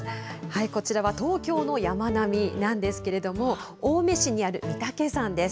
こちらは東京の山並みなんですけれども、青梅市にある御岳山です。